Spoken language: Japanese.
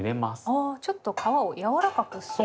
あちょっと皮を柔らかくする。